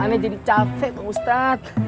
ana jadi capek bang ustadz